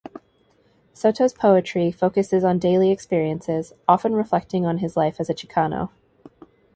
Soto's poetry focuses on daily experiences, often reflecting on his life as a Chicano.